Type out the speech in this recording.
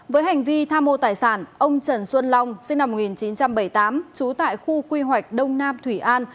với hành vi tham mô tài sản ông trần xuân long sinh năm một nghìn chín trăm bảy mươi tám trú tại khu quy hoạch đông nam thủy an